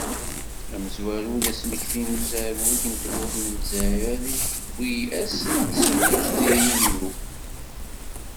Amezwaru d asmekti n uzarug n tmurt n Lezzayer i tewwi ass, n semmus deg yulyu.